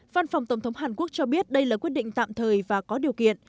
văn phòng tổng thống hàn quốc cho biết đây là quyết định tạm thời và có điều kiện